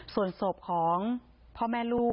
ส่วนศพของพ่อแม่ลูก